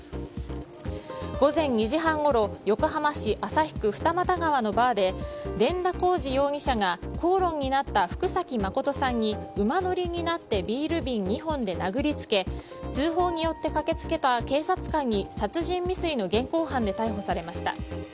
午前２時半ごろ横浜市旭区二俣川のバーで伝田貢士容疑者が口論になった福崎誠さんに馬乗りになってビール瓶２本で殴りつけ通報によって駆けつけた警察官に殺人未遂の現行犯で逮捕されました。